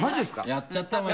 やっちゃったお前。